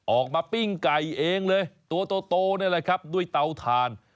ปิ้งไก่เองเลยตัวโตนี่แหละครับด้วยเตาถ่าน